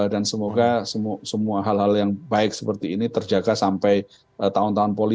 dan semoga semua hal hal yang baik seperti ini terjaga sampai tahun tahun depan